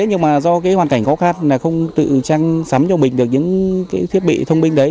nhưng mà do cái hoàn cảnh khó khăn là không tự trang sắn cho mình được những cái thiết bị thông minh đấy